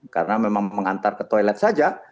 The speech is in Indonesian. karena memang mengantar ke toilet saja